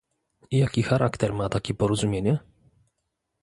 Jaki charakter ma takie porozumienie?